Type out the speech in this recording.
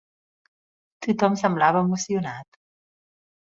Tothom semblava emocionat.